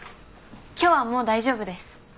今日はもう大丈夫です。